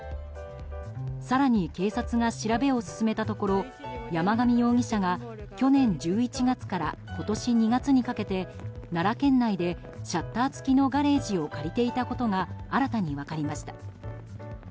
更に警察が調べを進めたところ山上容疑者が去年１１月から今年２月にかけて奈良県内でシャッター付きのガレージを借りていたことが新たに分かりました。